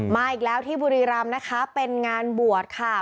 มาอีกแล้วที่บุรีรำนะคะเป็นงานบวชค่ะ